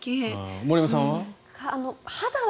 森山さんは？